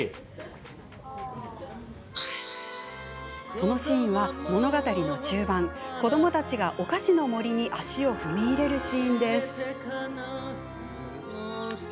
そのシーンは、物語の中盤子どもたちが、お菓子の森に足を踏み入れるシーンです。